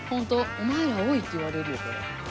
お前ら多いって言われるよこれ。